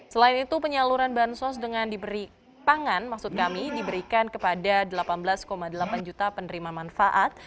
selain itu penyaluran bansos dengan diberi pangan maksud kami diberikan kepada delapan belas delapan juta penerima manfaat